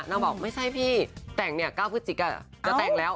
นางบอกไม่ใช่พี่แต่งเนี่ยเก้าพฤติกะจะแต่งแล้ว